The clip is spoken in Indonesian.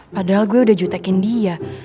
padahal gue udah jutekin dia